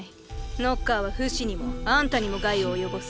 ノッカーはフシにもあんたにも害を及ぼす。